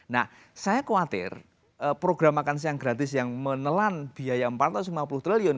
nah saya khawatir program makan siang gratis yang menelan biaya empat ratus lima puluh triliun